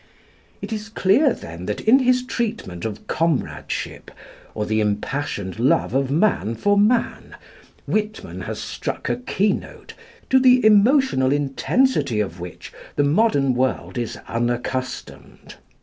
" It is clear, then, that in his treatment of comradeship, or the impassioned love of man for man, Whitman has struck a keynote, to the emotional intensity of which the modern world is unaccustomed.